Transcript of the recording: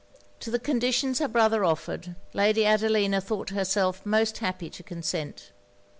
To the conditions her brother offered, Lady Adelina thought herself most happy to consent.